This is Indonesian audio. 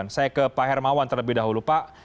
saya ke pak hermawan terlebih dahulu pak